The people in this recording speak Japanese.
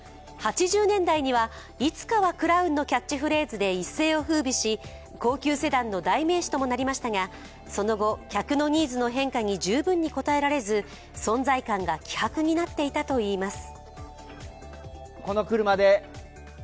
８０年代には「いつかはクラウン」のキャッチフレーズで一世を風靡し高級セダンの代名詞ともなりましたが、その後、客のニーズの変化に十分に応えられず存在感が希薄になっていたといいます。